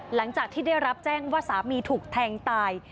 หลังจากที่ได้รับแจ้งว่าสามีถูกแทงตาย